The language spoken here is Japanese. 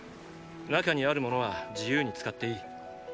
中にある物は自由に使っていい。